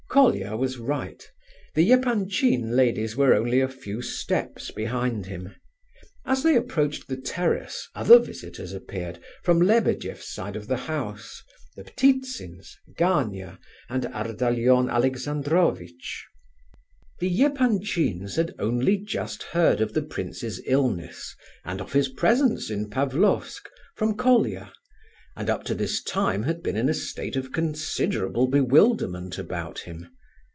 Colia was right; the Epanchin ladies were only a few steps behind him. As they approached the terrace other visitors appeared from Lebedeff's side of the house—the Ptitsins, Gania, and Ardalion Alexandrovitch. The Epanchins had only just heard of the prince's illness and of his presence in Pavlofsk, from Colia; and up to this time had been in a state of considerable bewilderment about him.